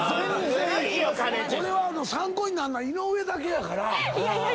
これは参考になるのは井上だけやから。